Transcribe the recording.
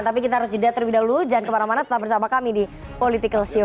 tapi kita harus didatari dulu jangan kemana mana tetap bersama kami di politikalsium